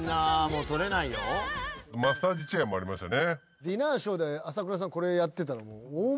マッサージチェアもありましたね。